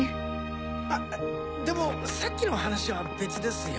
あでもさっきの話は別ですよ。